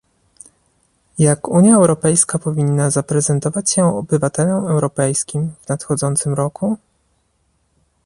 jak Unia Europejska powinna zaprezentować się obywatelom europejskim w nadchodzącym roku?